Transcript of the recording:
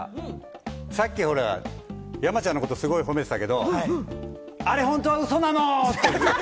さっきほら、山ちゃんのことをすごく褒めていたけれども、あれ本当はウソなの！って。